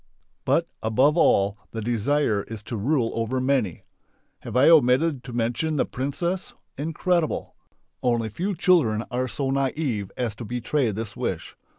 But, above all, the desire is to rule over many. Have I omitted to mention the "princess"? Incredible! Only few children are so naive as to betray this wish.